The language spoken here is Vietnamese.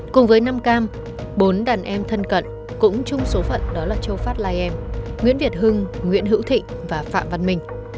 cùng với năm cam bốn đàn em thân cận cũng chung số phận đó là châu phát li em nguyễn việt hưng nguyễn hữu thịnh và phạm văn minh